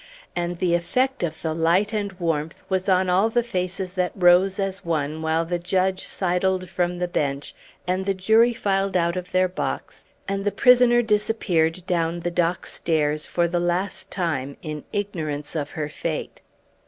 And the effect of the light and warmth was on all the faces that rose as one while the judge sidled from the bench, and the jury filed out of their box, and the prisoner disappeared down the dock stairs for the last time in ignorance of her fate.